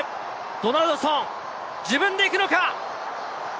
ドナルドソン、自分で行くのか？